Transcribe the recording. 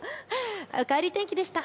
おかえり天気でした。